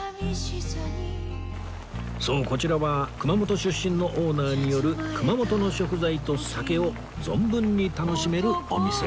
そうこちらは熊本出身のオーナーによる熊本の食材と酒を存分に楽しめるお店です